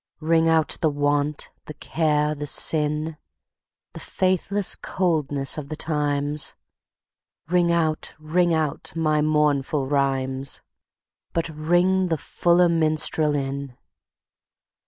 Ring out the want, the care the sin, The faithless coldness of the times; Ring out, ring out my mournful rhymes, But ring the fuller minstrel in.